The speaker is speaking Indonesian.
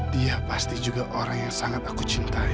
dia pasti juga orang yang sangat aku cintai